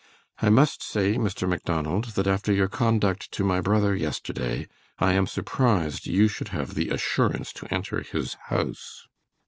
"I must say, Mr. Macdonald, that after your conduct to my brother yesterday, I am surprised you should have the assurance to enter his house."